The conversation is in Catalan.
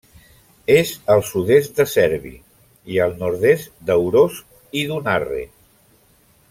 És al sud-est de Cerbi i al nord-est d'Aurós i d'Unarre.